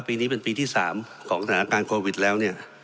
ปีนี้เป็นปีที่๓ของสถานการณ์โควิดแล้วเนี่ย